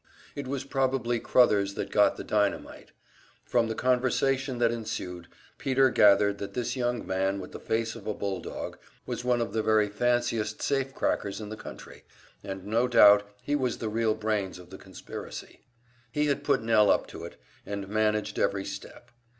It was probably Crothers that got the dynamite. From the conversation that ensued Peter gathered that this young man with the face of a bull dog was one of the very fanciest safecrackers in the country, and no doubt he was the real brains of the conspiracy; he had put Nell up to it, and managed every step.